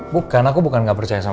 bukan aku bukan gak percaya sama